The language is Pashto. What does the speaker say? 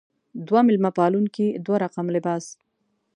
دوه میلمه پالونکې دوه رقم لباس.